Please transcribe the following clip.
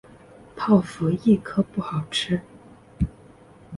泡芙一颗不好吃